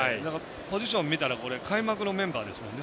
ポジション見たら開幕のメンバーですもんね